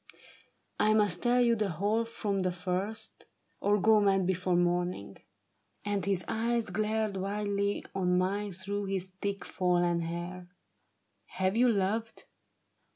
I must tell you the whole from the first, Or go mad before morning. My friend —" and his eyes Glared wildly on mine through his thick, fallen hair —" Have you loved